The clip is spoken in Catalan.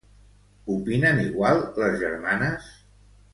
Opinen igual les germanes?